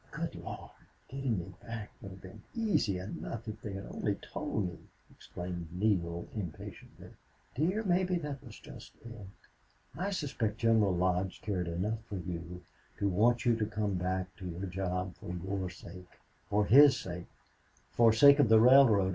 "Good Lord! Getting me back would have been easy enough if they had only told me!" exclaimed Neale, impatiently. "Dear, maybe that was just it. I suspect General Lodge cared enough for you to want you to come back to your job for your sake for his sake for sake of the railroad.